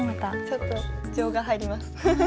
ちょっと情が入ります。